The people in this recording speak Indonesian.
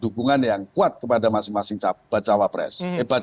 dukungan yang kuat kepada masing masing baca wapres